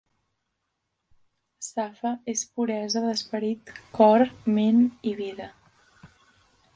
Safa és puresa d'esperit, cor, ment i vida.